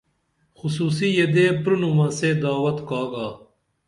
حصوصی یدے پرِنُمَہ سے دعوت کا گا